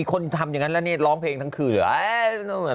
คนทำอย่างนั้นแล้วนี่ร้องเพลงทั้งคืนเหรอ